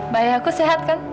bayi aku sehat kan